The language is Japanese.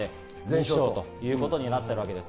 全勝ということになっています。